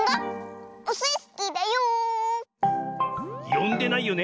よんでないよね。